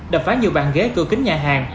đập phá nhiều bàn ghế cưa kính nhà hàng